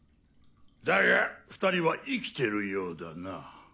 だが２人は生きてるようだな。